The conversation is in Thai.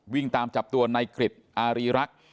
วิ่งตามจับตัวในกริจอารีรักษ์